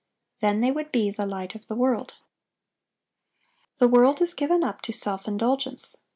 Then they would be the light of the world. The world is given up to self indulgence.